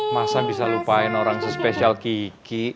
masa bisa lupain orang sespesial kiki